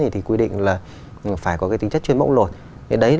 thì quy định là phải có tính chất chuyên mẫu luật